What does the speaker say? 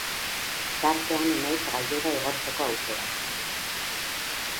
Tartean Enaitz gailurra igotzeko aukera.